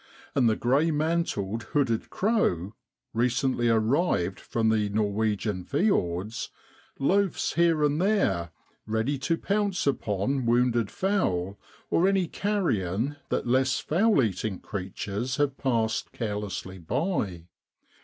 And the grey mantled hooded crow recently arrived from the Norwegian fjords loafs here and there, ready to pounce upon wounded fowl or any carrion that less foul feeding creatures have passed carelessly by.